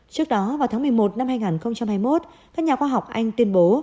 trước đó vào tháng một mươi một năm hai nghìn hai mươi một các nhà khoa học anh tuyên bố